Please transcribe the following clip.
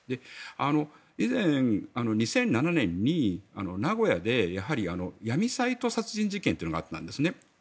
以前、２００７年に名古屋で闇サイト殺人事件というのがあったんですね。